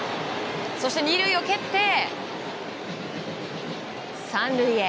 そして２塁を蹴って３塁へ。